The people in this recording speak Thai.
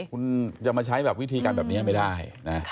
คุณจะมาใช้แบบวิธีการแบบนี้ไม่ได้นะ